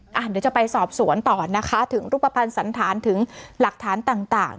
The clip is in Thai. เดี๋ยวจะไปสอบสวนต่อนะคะถึงรูปภัณฑ์สันธารถึงหลักฐานต่าง